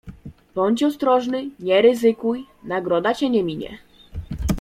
"Bądź ostrożny, nie ryzykuj, nagroda cię nie minie."